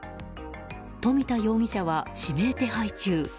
富田容疑者は指名手配中。